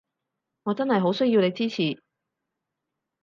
我真係好需要你支持